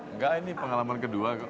enggak ini pengalaman kedua